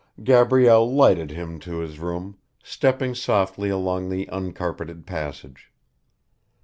Gabrielle lighted him to his room, stepping softly along the uncarpeted passage.